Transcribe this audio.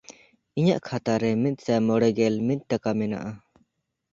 ᱤᱧᱟᱜ ᱠᱷᱟᱛᱟ ᱨᱮ ᱢᱤᱫᱥᱟᱭ ᱢᱚᱬᱮᱜᱮᱞ ᱢᱤᱫ ᱴᱟᱠᱟ ᱢᱮᱱᱟᱜᱼᱟ᱾